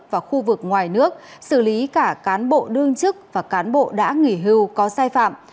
và khu vực ngoài nước xử lý cả cán bộ đương chức và cán bộ đã nghỉ hưu có sai phạm